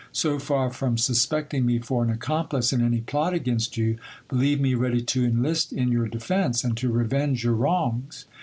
So far from suspecting me for an accomplice in any plot against you, believe me ready to enlist in your defence, and to revenge your wrongs.